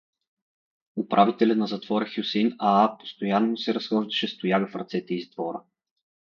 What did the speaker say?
Управителят на затвора Хюсеин аа постоянно се разхождаше с тояга в ръцете из двора.